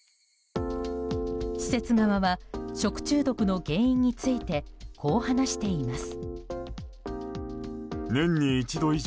施設側は食中毒の原因についてこう話しています。